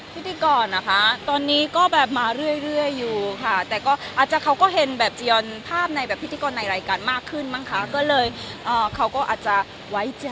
พิธีกรนะคะตอนนี้ก็แบบมาเรื่อยอยู่ค่ะแต่ก็อาจจะเขาก็เห็นแบบจียอนภาพในแบบพิธีกรในรายการมากขึ้นมั้งค่ะก็เลยเขาก็อาจจะไว้ใจ